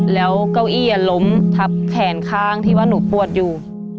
แล้วเก้าอี้ล้มทับแขนข้างที่ว่าหนูปวดอยู่